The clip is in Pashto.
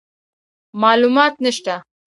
معلومات نشته،